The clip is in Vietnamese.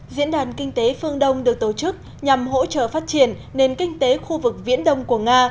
diễn đàn kinh tế phương đông được tổ chức nhằm hỗ trợ phát triển nền kinh tế khu vực viễn đông của nga